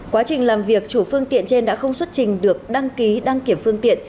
quá trình làm việc chủ phương tiện trên đã không xuất trình được đăng ký đăng kiểm phương tiện